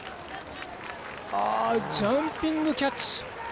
ジャンピングキャッチ。